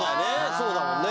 そうだもんね